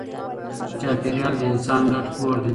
چاپېریال د انسان ګډ کور دی.